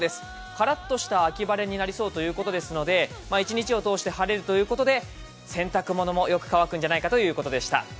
からっとした秋晴れになりそうということですので、一日を通して晴れるということで、洗濯物もよく乾くんじゃないかということでした。